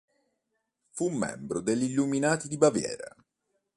Fu membro degli Illuminati di Baviera.